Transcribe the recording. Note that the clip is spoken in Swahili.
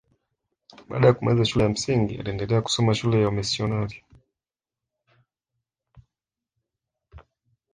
Baada ya kumaliza shule ya msingi aliendelea kusoma shule ya wamisionari